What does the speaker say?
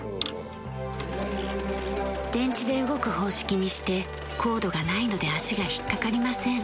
電池で動く方式にしてコードがないので足が引っかかりません。